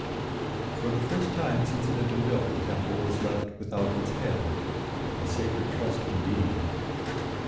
For the first time since it had been built the temple was left without its head—a sacred trust indeed.